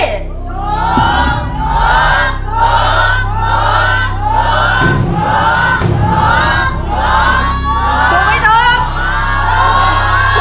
ถูกถูกถูกถูกถูกถูก